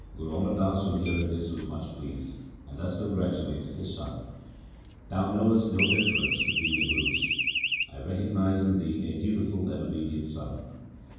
Guru Amar Das on hearing this was much pleased and thus congratulated his son :' Thou knowest no difference between the Gurus. I recognize in thee a dutiful and obedient son.'